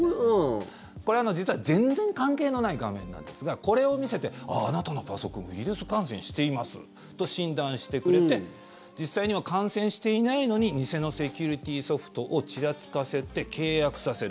これは実は全然関係のない画面なんですがこれを見せてああ、あなたのパソコンウイルス感染していますと診断してくれて実際には感染していないのに偽のセキュリティーソフトをちらつかせて契約させる。